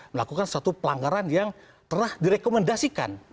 melakukan satu pelanggaran yang telah direkomendasikan